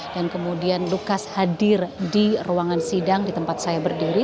dan kemudian lukas hadir di ruangan sidang di tempat saya berdiri